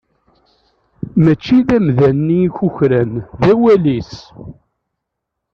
Mačči d amdan-nni i kukran, d awal-is.